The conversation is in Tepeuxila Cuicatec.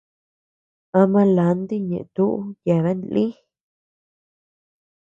Ama lanti ñeʼe túʼu yeabean lï.